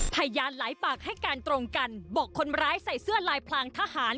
พยานหลายปากให้การตรงกันบอกคนร้ายใส่เสื้อลายพลางทหาร